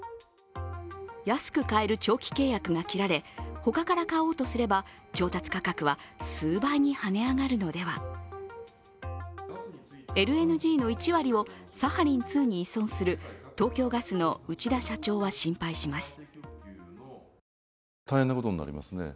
安く買える長期契約が切られ他から買おうとすれば調達価格は数倍に跳ね上がるのではＬＮＧの１割を、サハリン２に依存する東京ガスの内田社長は心配します。